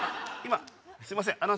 今すいません